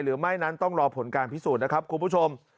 หรือไม่นั้นต้องรอผลการพิสูจน์นะครับคุณผู้ชม